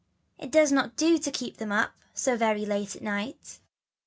It does not do to keep them up So very late at night."